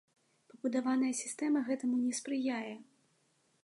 Пабудаваная сістэма гэтаму не спрыяе.